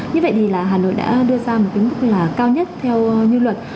như vậy thì là hà nội đã đưa ra một cái mức là cao nhất theo như luật